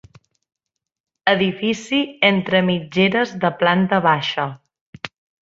Edifici entre mitgeres de planta baixa.